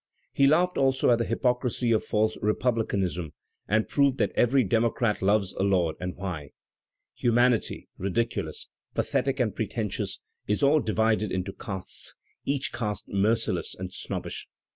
He laughed also at the hypocrisy of false republicanism and proved that every democrat loves a lord and why. Humanity, ridiculous, pathetic and pre tentious, is all divided into castes, each caste merciless and snobbish.